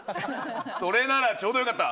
それならちょうどよかった。